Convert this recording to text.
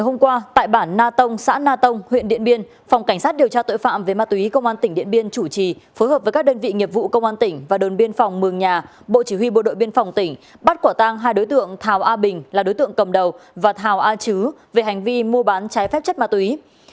hôm qua tại bản na tông xã na tông huyện điện biên phòng cảnh sát điều tra tội phạm về ma túy công an tỉnh điện biên chủ trì phối hợp với các đơn vị nghiệp vụ công an tỉnh và đồn biên phòng mường nhà bộ chỉ huy bộ đội biên phòng tỉnh bắt quả tang hai đối tượng thảo a bình là đối tượng cầm đầu và thảo a chứ về hành vi mua bán trái phép chất ma túy